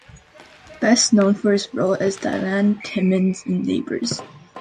Best known for his role as "Dylan Timmins" in Neighbours.